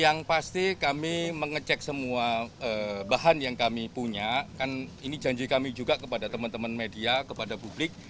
yang pasti kami mengecek semua bahan yang kami punya kan ini janji kami juga kepada teman teman media kepada publik